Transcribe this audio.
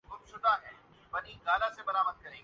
Canadian Angrezi